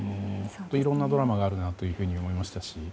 本当にいろんなドラマがあるなと思いましたし。